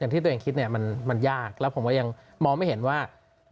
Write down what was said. ที่ตัวเองคิดเนี่ยมันยากแล้วผมก็ยังมองไม่เห็นว่า